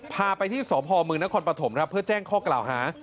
พาไปที่สพมนปภเพื่อแจ้งข้อกล่าวฮา